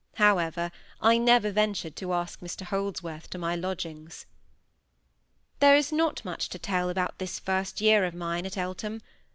However, I never ventured to ask Mr Holdsworth to my lodgings. There is not much to tell about this first year of mine at Eltham.